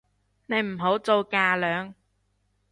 你唔好做架樑